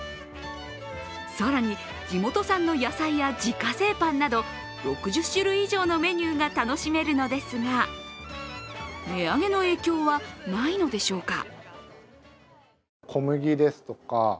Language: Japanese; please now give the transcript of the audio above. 更に、地元産の野菜や自家製パンなど６０種類以上のメニューが楽しめるのですが値上げの影響は、ないのでしょうか？